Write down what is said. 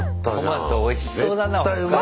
トマトおいしそうだな北海道の。